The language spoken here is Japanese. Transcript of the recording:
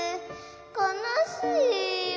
かなしいよ。